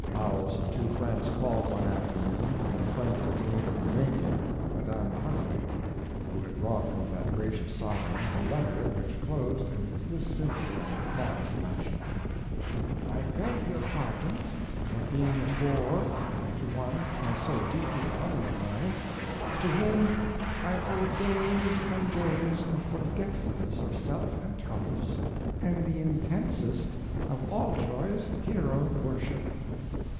Howells and two friends called one afternoon, and a friend of the Queen of Rumania, a Madame Hartwig, who had brought from that gracious sovereign a letter which closed in this simple and modest fashion: I beg your pardon for being a bore to one I so deeply love and admire, to whom I owe days and days of forgetfulness of self and troubles, and the intensest of all joys hero worship!